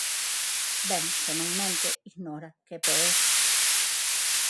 Ben, se non mente, ignora, que é peor.